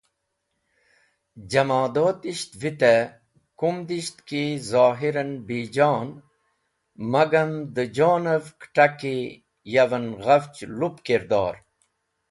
Jamodotisht vite kumdisht ki zohiran bijon magam dẽ jon’v-e kẽt̃aki yaven ghafch lup kirdor.